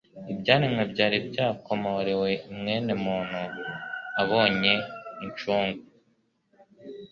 Ibyaremwe byari byakomorewe, mwene muntu abonye inshungu,